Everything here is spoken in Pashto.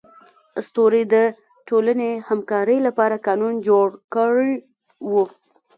اسطورې د ټولنې همکارۍ لپاره قانون جوړ کړی و.